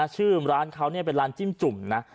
ชื่อร้านเขาเป็นร้านจิ้มจุ่มนะ